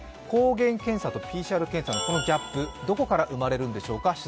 抗原検査とＰＣＲ検査のギャップ、どこから生まれるんでしょうか。